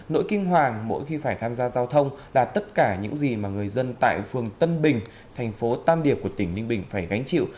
nỗi kinh hoàng mỗi khi phải tham gia giao thông là tất cả những gì mà người dân tại phường tân bình thành phố tam điệp của tỉnh ninh bình phải gánh chịu